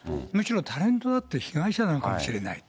むしろタレントだって被害者なのかもしれないと。